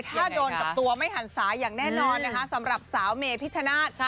ถ้าโดนกับตัวไม่หันศาอย่างแน่นอนนะคะสำหรับสาวเมพิชชนาธิ์